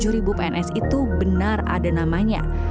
sembilan puluh tujuh ribu pns itu benar ada namanya